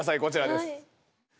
こちらです。